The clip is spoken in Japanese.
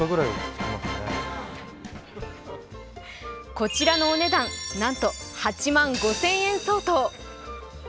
こちらのお値段、なんと８万５０００円相当。